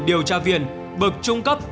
điều tra viên bậc trung cấp